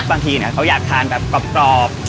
บางทีเขาอยากทานแบบกรอบ